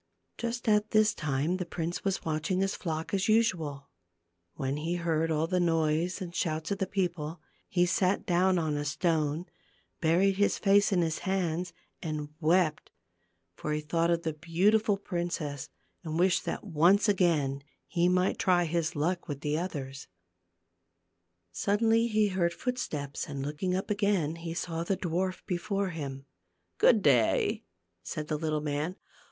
Just at this time the prince was watching his flock as usual. When he heard all the noise and shouts of the people, he sat down on a stone, buried his face in his hands and wept, for he thought of the beautiful princess and wished that once again he might try his luck with the others. THE GLASS MOUNTAIN. 271 Suddenly lie heard footsteps, and looking up again he saw the dwarf before him. " Good day !" said the little man.